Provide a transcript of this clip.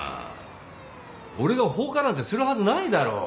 俺が放火なんてするはずないだろう。